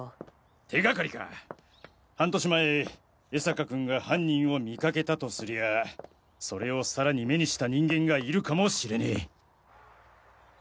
手がかりか半年前江坂君が犯人を見かけたとすりゃそれを更に目にした人間がいるかもしれねぇ。